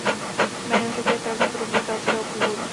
Jméno řeky je pravděpodobně keltského původu.